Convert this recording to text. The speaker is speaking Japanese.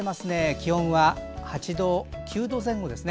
気温は９度前後ですね。